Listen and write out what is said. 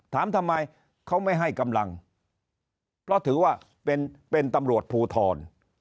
ทำไมเขาไม่ให้กำลังก็ถือว่าเป็นเป็นตำรวจภูทร